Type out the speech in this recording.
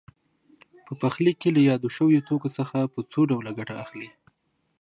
په پخلي کې له یادو شویو توکو څخه په څو ډوله ګټه اخلي.